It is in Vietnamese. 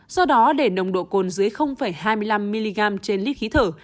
do đó để nồng độ cồn dưới hai mươi năm mg trên lít khí thở